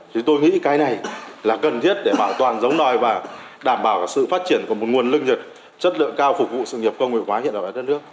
thì tôi nghĩ cái này là cần thiết để bảo toàn giống nòi và đảm bảo sự phát triển của một nguồn lương nhật chất lượng cao phục vụ sự nghiệp công nghiệp hóa hiện đại hóa đất nước